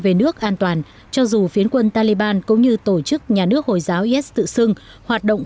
về nước an toàn cho dù phiến quân taliban cũng như tổ chức nhà nước hồi giáo is tự xưng hoạt động